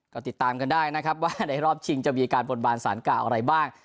ก็ติดตามกันได้นะครับว่าในรอบชิงจะมีการบนบานสารกล่าวอะไรบ้าง